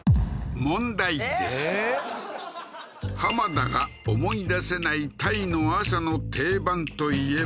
田が思い出せないタイの朝の定番といえば？